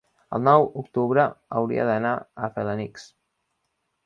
El nou d'octubre hauria d'anar a Felanitx.